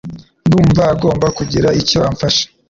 Ndumva ngomba kugira icyo mfasha.